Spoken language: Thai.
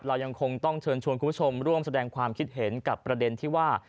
เรายังคงต้องเชิญชวนคุณผู้ชมร่วมแสดงความคิดเห็นกับประเด็นที่ว่า